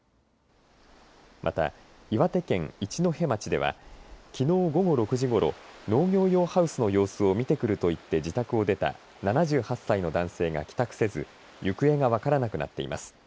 また、岩手県一戸町ではきのう午後６時ごろ農業用ハウスの様子を見てくると言って自宅を出た７８歳の男性が帰宅せず行方が分からなくなっています。